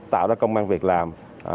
tạo ra công an việc làm